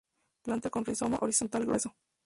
Planta con rizoma horizontal, grueso.